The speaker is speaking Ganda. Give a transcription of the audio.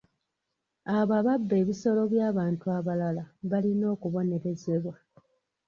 Abo ababba ebisolo by'abantu abalala balina okubonerezebwa.